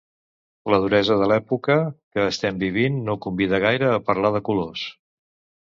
La duresa de l'època que estem vivint no convida gaire a parlar de colors.